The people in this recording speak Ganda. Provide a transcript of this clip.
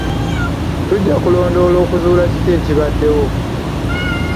Tujja kulondoola okuzuula kiki ekibaddewo.